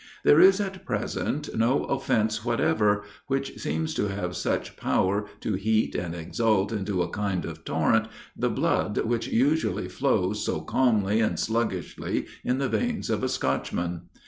There is at present no offence whatever, which seems to have such power to heat and exalt into a kind of torrent, the blood which usually flows so calmly and sluggishly in the veins of a Scotchman.